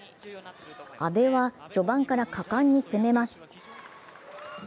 阿部は序盤から果敢に攻めます。